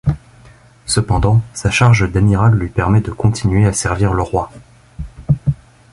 Cependant, sa charge d'amiral lui permet de continuer à servir le roi.